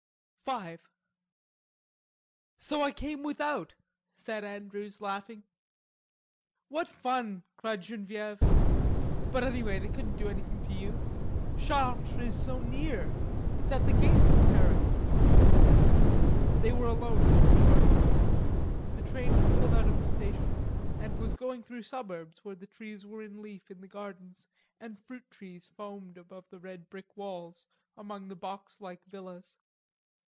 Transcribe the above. V "So I came without," said Andrews, laughing. "What fun!" cried Genevieve. "But anyway they couldn't do anything to you. Chartres is so near. It's at the gates of Paris." They were alone in the compartment. The train had pulled out of the station and was going through suburbs where the trees were in leaf in the gardens, and fruit trees foamed above the red brick walls, among the box like villas.